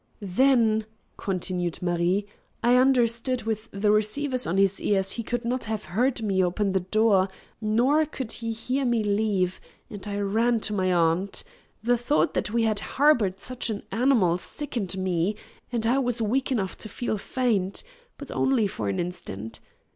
"Then," continued Marie, "I understood with the receivers on his ears he could not have heard me open the door, nor could he hear me leave, and I ran to my aunt. The thought that we had harbored such an animal sickened me, and I was weak enough to feel faint. But only for an instant.